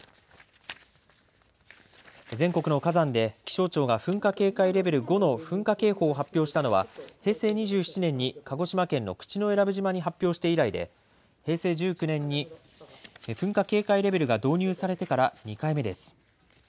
全国の火山で気象庁が噴火警戒レベル５の噴火警報を発表したのは平成２７年に鹿児島県の口永良部島に発表して以来で平成１９年に噴火警戒レベルが導入されてから２回目です。